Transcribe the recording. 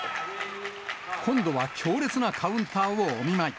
今度は強烈なカウンターをお見舞い。